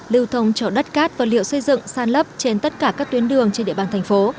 lưu thông trở đất cát vật liệu xây dựng san lấp trên tất cả các tuyến đường trên địa bàn thành phố